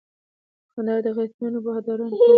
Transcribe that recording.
کندهار د غیرتمنو بهادرانو کور دي